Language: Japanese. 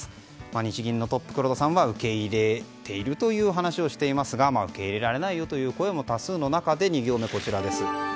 日銀のトップ黒田さんは受け入れているというお話をしていますが受け入れられないという声も多数の中で、２行目はこちら。